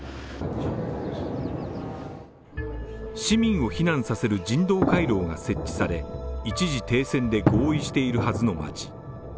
市民を避難させる人道回廊が設置され一時停戦で合意しているはずの街。